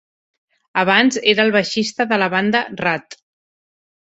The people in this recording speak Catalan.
Abans era el baixista de la banda Ratt.